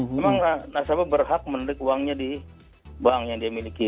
memang nasabah berhak menarik uangnya di bank yang dia miliki